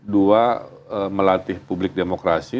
dua melatih publik demokrasi